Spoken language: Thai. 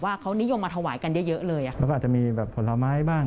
ว่ามีความทรงธรรมนี้ที่ใกล้มาสไป